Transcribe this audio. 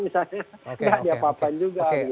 tidak ada apa apa juga